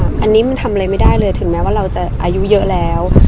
อันนี้มันทำอะไรไม่ได้เลยถึงแม้ว่าเราจะอายุเยอะแล้ว